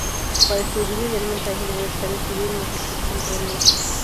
Para escribir y leer mensajes es necesario adquirir una suscripción premium.